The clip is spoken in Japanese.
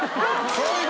そういう事！